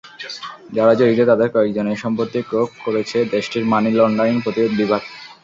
যারা জড়িত তাদের কয়েকজনের সম্পত্তি ক্রোক করেছে দেশটির মানি লন্ডারিং প্রতিরোধ বিভাগ।